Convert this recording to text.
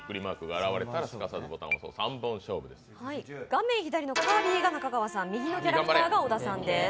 画面左のカービィが中川さん右のキャラクターが小田さんです。